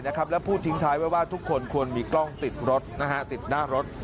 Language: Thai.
และพูดทิ้งท้ายทุกคนควรมีกล้องติดหน้ารถ